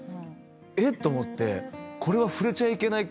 えっ？と思って。